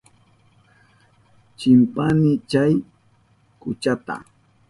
Chimpani chay kuchata.